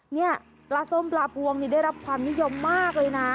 นี่ปลาส้มปลาพวงนี่ได้รับความนิยมมากเลยนะ